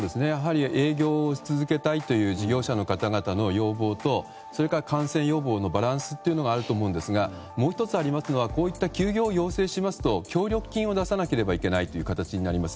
営業を続けたいという事業者の方々の要望とそれから感染予防のバランスがあると思うんですがもう１つありますのはこういった休業を要請しますと協力金を出さなければいけない形になります。